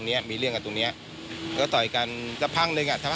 เนี่ยค่ะแล้วก็มีผู้ที่เห็นเหตุการณ์เขาก็เล่าให้ฟังเหมือนกันนะครับ